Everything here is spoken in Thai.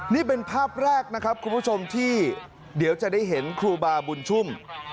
นี่เป็นภาพแรกนะครับคุณผู้ชมที่เดี๋ยวจะได้เห็นครูบาบุญชุ่ม